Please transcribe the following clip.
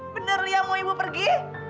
benar lia mau ibu pergi